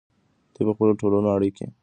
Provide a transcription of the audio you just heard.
دوی په خپلو ټولنیزو اړیکو کې بدلون راولي.